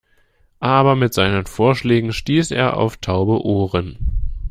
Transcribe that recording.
Aber mit seinen Vorschlägen stieß er auf taube Ohren.